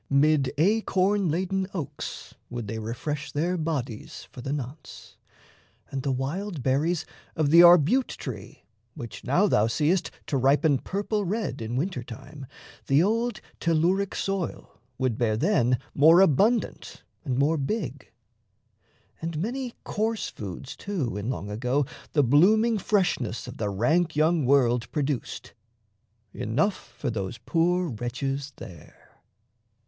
Mid acorn laden oaks Would they refresh their bodies for the nonce; And the wild berries of the arbute tree, Which now thou seest to ripen purple red In winter time, the old telluric soil Would bear then more abundant and more big. And many coarse foods, too, in long ago The blooming freshness of the rank young world Produced, enough for those poor wretches there.